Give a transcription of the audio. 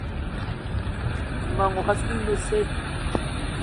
Mmema n'gogué assu mine besse.